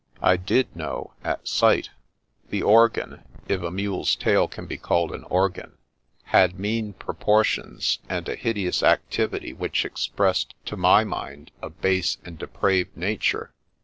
I did know, at sight. The organ — if a mule's tail can be called an organ — ^had mean proportions and a 86 The Princess Passes hideous activity which expressed to my mind a base and depraved nature.